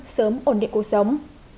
sớm ổn định cuộc sống